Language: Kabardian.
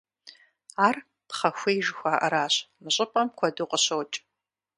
Ар пхъэхуей жыхуаӀэращ, мы щӀыпӀэм куэду къыщокӀ.